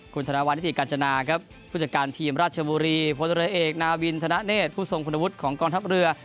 คุณธนวัติกาจนาครับผู้จัดการทีมราชบุรีพลเรือเอกนาวินธนเนธผู้ทรงคุณวุฒิของกองทัพเรือ